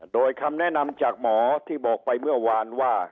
โดยคำแนะนำจากหมอที่บอกไปเมื่อวานว่า